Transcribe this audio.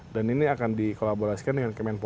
dan ini akan dikolaborasikan dengan kemenpora